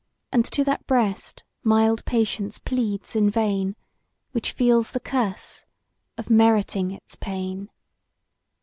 And to that breast mild Patience pleads in vain, Which feels the curse of meriting its pain.